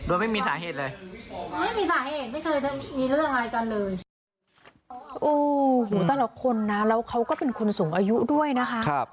โอ้โหแต่ละคนนะแล้วเขาก็เป็นคนสูงอายุด้วยนะคะ